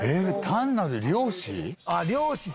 単なる漁師？